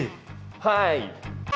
はい。